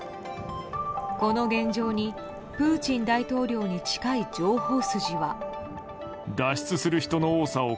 この現状に、プーチン大統領に近い情報筋は。